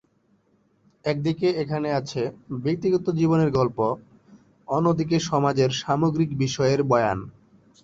একদিকে এখানে আছে ব্যক্তিগত জীবনের গল্প, অন্যদিকে সমাজের সামগ্রিক বিষয়ের বয়ান।